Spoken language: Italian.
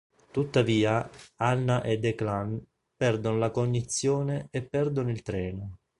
Tuttavia, Anna e Declan perdono la cognizione e perdono il treno.